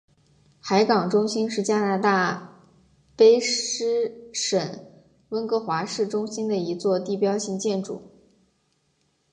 海港中心是加拿大卑诗省温哥华市中心一座地标性建筑。